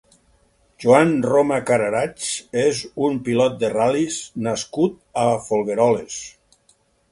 Joan Roma Cararach és un pilot de ral·lis nascut a Folgueroles.